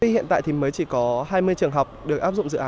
hiện tại thì mới chỉ có hai mươi trường học được áp dụng dự án